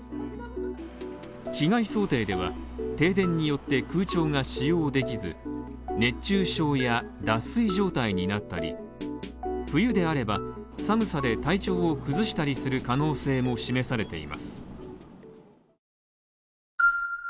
被害想定では、停電によって空調が使用できず、熱中症や脱水状態になったり、冬であれば寒さで体調を崩したりする可能性も示されています。